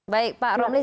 baik pak romli